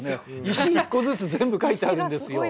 石１個ずつ全部描いてあるんですよ。